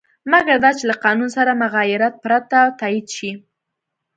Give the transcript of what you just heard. مګر دا چې له قانون سره مغایرت پرته تایید شي.